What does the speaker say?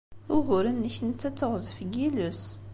Ugur-nnek netta d teɣzef n yiles.